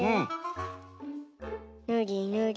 ぬりぬり。